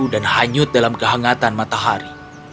dan hanyut dalam kehangatan matahari